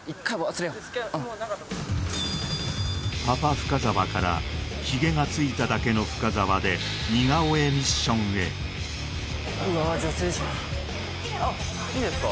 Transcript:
深澤からヒゲがついただけの深澤で似顔絵ミッションへいいんですか？